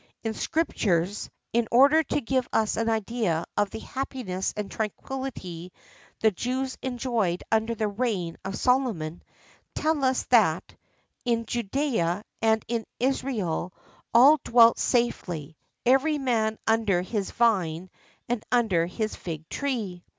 [XIII 44] The Scriptures, in order to give us an idea of the happiness and tranquillity the Jews enjoyed under the reign of Solomon, tell us that, "in Judea and in Israel all dwelt safely, every man under his vine and under his fig tree."